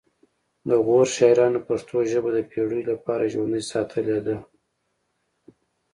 د غور شاعرانو پښتو ژبه د پیړیو لپاره ژوندۍ ساتلې ده